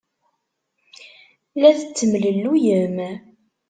La tettemlelluyem.